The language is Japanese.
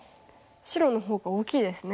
白のほうが大きいですね。